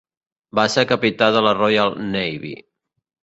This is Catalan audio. Va ser capità de la Royal Navy.